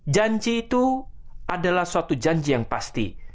janji itu adalah suatu janji yang pasti